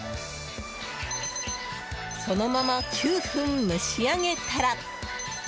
そのまま９分、蒸し上げたら。